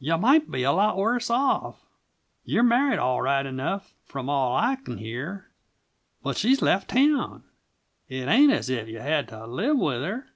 "You might be a lot worse off. You're married, all right enough, from all I c'n hear but she's left town. It ain't as if you had to live with her."